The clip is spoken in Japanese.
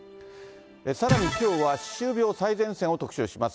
さらにきょうは、歯周病最前線を特集します。